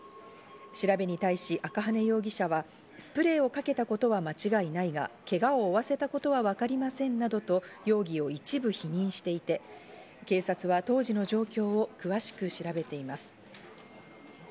調べに対し赤羽容疑者は、スプレーをかけたことは間違いないが、けがを負わせたことはわかりませんなどと容疑を一部否認していて、警察は当時の状況を詳しく調べています。